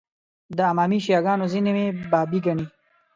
د امامي شیعه ګانو ځینې مې بابي ګڼي.